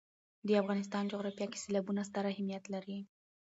د افغانستان جغرافیه کې سیلابونه ستر اهمیت لري.